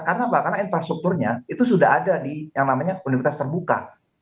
karena infrastrukturnya itu sudah ada di yang namanya universitas terbuka